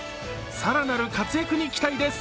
更なる活躍に期待です！